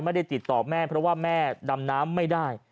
ไม่ได้ติดต่อแม่เพราะว่าแม่ดำน้ำไม่ได้